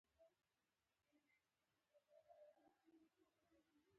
برټانیې حکومت خوشاله دی.